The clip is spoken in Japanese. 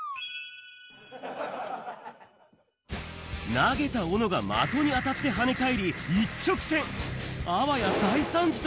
投げたおのが的に当たって跳ね返り、一直線。